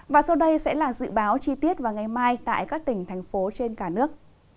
và sau đây sẽ là dự báo chi tiết vào ngày mai tại các tỉnh thành phố trên cả nước